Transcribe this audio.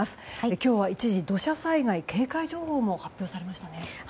今日は一時、土砂災害警戒情報も発表されましたね。